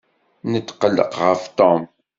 Netqelleq ɣef Tom.